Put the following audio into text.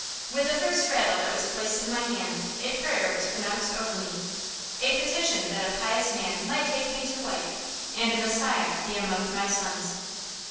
With the first rattle that was placed in my hand a prayer was pronounced over me, a petition that a pious man might take me to wife, and a messiah be among my sons.